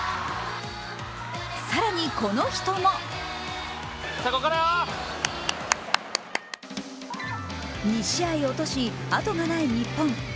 更に、この人も２試合落とし後がない日本。